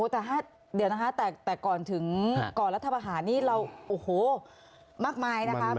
แต่เดี๋ยวนะคะแต่ก่อนถึงก่อนรัฐประหารนี่เราโอ้โหมากมายนะคะ